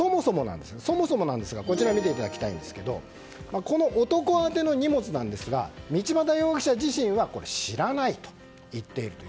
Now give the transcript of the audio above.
そもそもなんですがこの男宛ての荷物なんですが道端容疑者自身は知らないと言っていると。